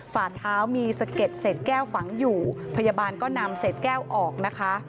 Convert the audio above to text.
ฝ่าเท้ามีสะเก็ดเศษแก้วฝังอยู่พยาบาลก็นำเศษแก้วออกนะคะ